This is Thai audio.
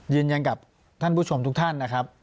ยืนยันกับท่านผู้ชมทุกท่านนะครับ